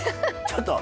ちょっと！